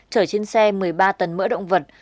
chở trên xe một mươi ba tấn mỡ động vật